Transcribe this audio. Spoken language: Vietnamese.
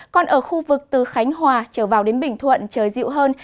còn ở khu vực từ khánh hòa trở vào đến bình thuận trời dịu hơn